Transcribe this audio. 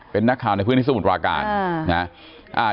เป็นนักข่าวในพื้นที่สมุทรวาการ